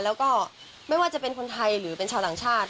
แล้วก็ไม่ว่าจะเป็นคนไทยหรือเป็นชาวต่างชาติ